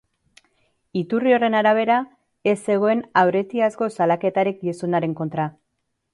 Iturri horren arabera, ez zegoen aurretiazko salaketarik gizonaren kontra.